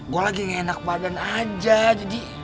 gue lagi enak badan aja jadi